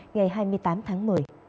ngày hai mươi tám tháng một mươi